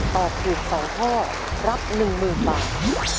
ตอบถูก๒ข้อรับ๑๐๐๐บาท